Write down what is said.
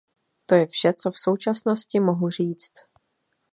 To je vše, co v současnosti mohu říct.